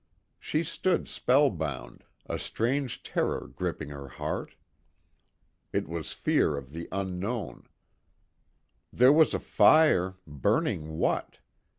She stood spellbound, a strange terror gripping her heart. It was fear of the unknown. There was a fire burning what?